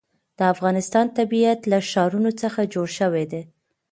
د افغانستان طبیعت له ښارونه څخه جوړ شوی دی.